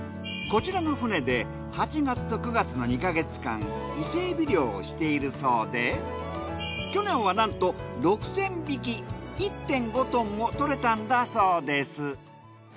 こちらの船で８月と９月の２か月間伊勢海老漁をしているそうで去年はなんと６，０００匹１．５トンもとれたんだそうです。